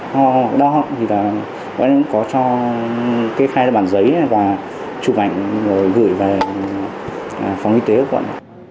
ho đo vẫn có cho cái khai bản giấy và chụp ảnh rồi gửi về phòng y tế quận